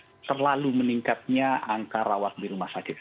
dan terlalu meningkatnya angka rawat di rumah sakit